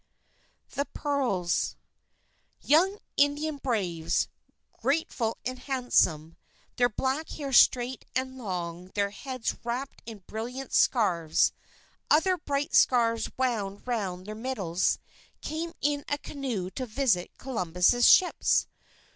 The Pearls Young Indian braves, graceful and handsome, their black hair straight and long, their heads wrapped in brilliant scarfs, other bright scarfs wound round their middles, came in a canoe to visit Columbus's ships.